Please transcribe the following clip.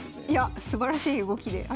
いやすばらしい動きで。